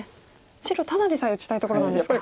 白ただでさえ打ちたいところなんですか。